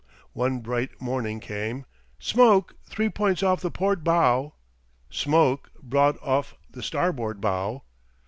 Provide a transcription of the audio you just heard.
One bright morning came: "Smoke three points off the port bow.... Smoke broad off the starboard bow....